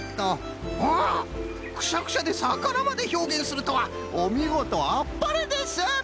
おおくしゃくしゃでさかなまでひょうげんするとはおみごとあっぱれです！